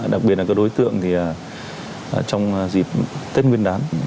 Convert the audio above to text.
đặc biệt là các đối tượng trong dịp tết nguyên đán